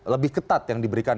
lebih ketat yang diberikan